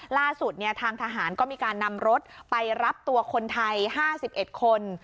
ล่าสุดทางทหารก็มีการนำรถไปรับตัวคนไทย๕๑คน